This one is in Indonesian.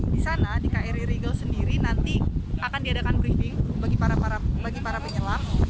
di sana di kri rigel sendiri nanti akan diadakan briefing bagi para penyelam